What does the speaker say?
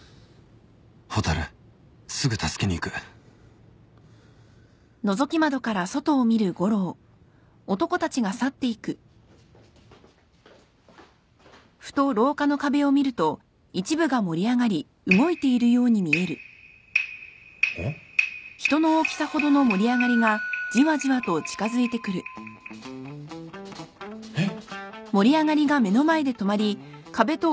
蛍すぐ助けに行くえっ？えっ？